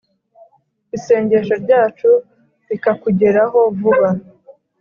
isengesho ryacu ritakugeraho vuba,